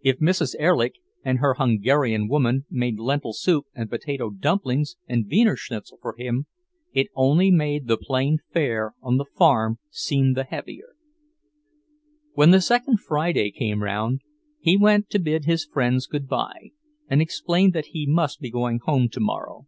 If Mrs. Erlich and her Hungarian woman made lentil soup and potato dumplings and Wiener Schnitzel for him, it only made the plain fare on the farm seem the heavier. When the second Friday came round, he went to bid his friends good bye and explained that he must be going home tomorrow.